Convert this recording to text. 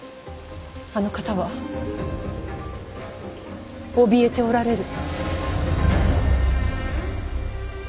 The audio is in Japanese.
あの方はおびえておられる。